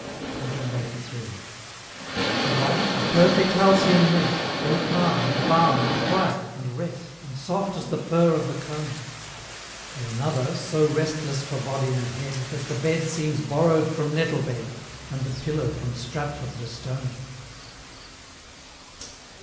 CLXXXIII. To one, a perfect Halcyon nest, All calm, and balm, and quiet, and rest, And soft as the fur of the cony To another, so restless for body and head, That the bed seems borrow'd from Nettlebed, And the pillow from Stratford the Stony!